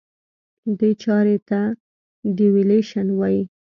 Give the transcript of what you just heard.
دې چارې ته Devaluation وایي.